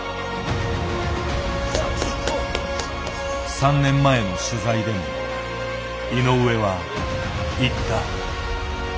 ３年前の取材でも井上は言った。